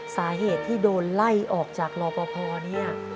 สาเหตุที่โดนไล่ออกจากรอปภเนี่ย